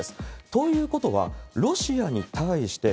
ということは、ロシアに対して、